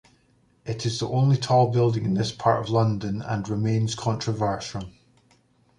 It is the only tall building in this part of London, and remains controversial.